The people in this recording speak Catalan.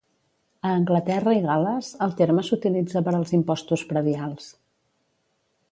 A Anglaterra i Gal·les, el terme s'utilitza per als impostos predials.